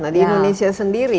nah di indonesia sendiri